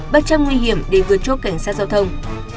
bất chấp nguy hiểm để vượt chốt cảnh sát giao thông